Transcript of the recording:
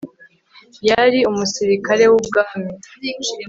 Yari umusirikare wubwami